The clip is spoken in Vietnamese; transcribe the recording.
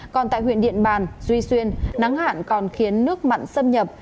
còn tại huyện điện bàn duy xuyên nắng hạn còn khiến nước mặn xâm nhập